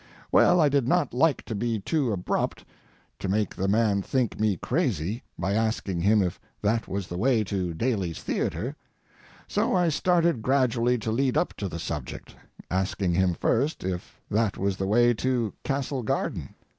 Well, I did not like to be too abrupt, to make the man think me crazy, by asking him if that was the way to Daly's Theatre, so I started gradually to lead up to the subject, asking him first if that was the way to Castle Garden.